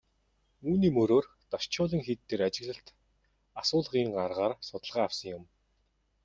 Үүний мөрөөр Дашчойлин хийд дээр ажиглалт асуулгын аргаар судалгаа авсан юм.